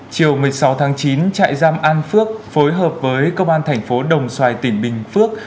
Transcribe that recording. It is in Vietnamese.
chiều một mươi sáu tháng chín trại giam an phước phối hợp với công an thành phố đồng xoài tỉnh bình phước